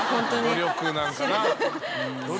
努力なのかな？